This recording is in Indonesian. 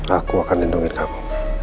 aku akan lindungi kamu